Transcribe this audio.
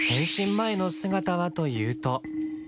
前の姿はというと。